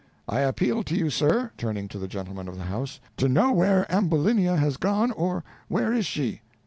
I appeal to you, sir," turning to the gentleman of the house, "to know where Ambulinia has gone, or where is she?"